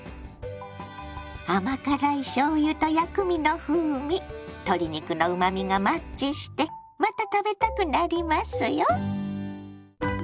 甘辛いしょうゆと薬味の風味鶏肉のうまみがマッチしてまた食べたくなりますよ。